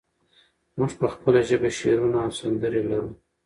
موږ په خپله ژبه شعرونه او سندرې لرو.